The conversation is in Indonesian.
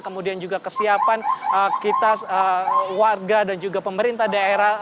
kemudian juga kesiapan kita warga dan juga pemerintah daerah